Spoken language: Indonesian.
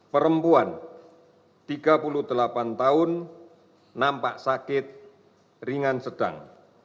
enam puluh delapan perempuan tiga puluh delapan tahun nampak sakit ringan sedang